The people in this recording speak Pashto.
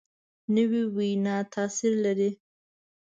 نوې وینا تاثیر لري